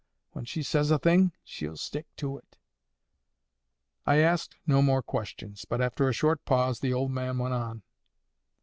When she says a thing, she'll stick to it." I asked no more questions. But, after a short pause, the old man went on.